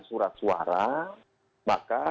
surat suara maka